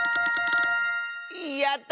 やった！